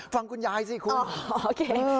ฟังคุณยายสิคุณโอเค